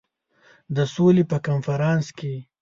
د سولي په کنفرانس کې.